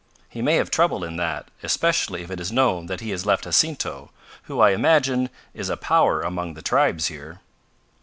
He may have trouble in that, especially if it is known that he has left Jacinto, who, I imagine, is a power among the tribes here."